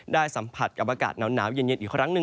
สัมผัสกับอากาศหนาวเย็นอีกครั้งหนึ่ง